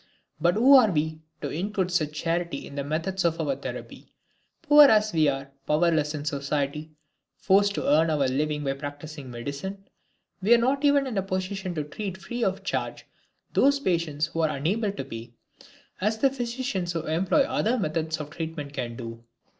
But who are we, to include such charity in the methods of our therapy? Poor as we are, powerless in society, forced to earn our living by practicing medicine, we are not even in a position to treat free of charge those patients who are unable to pay, as physicians who employ other methods of treatment can do.